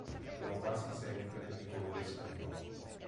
Sono quasi sempre di colore scuro.